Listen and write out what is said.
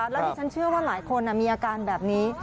แล้วดิฉันเชื่อว่าหลายคนมีอาการแบบนี้